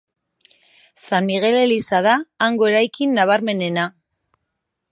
San Migel eliza da hango eraikin nabarmenena.